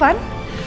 aku juga nggak tahu